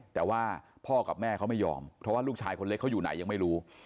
แต่ว่าพ่อกับแม่เขาไม่ยอมเพราะว่าลูกชายคนเล็กเขาอยู่ไหนยังไม่รู้